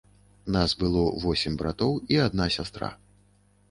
Нас было восем братоў і адна сястра.